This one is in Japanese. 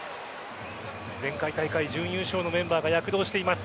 前回大会準優勝のメンバーが躍動しています。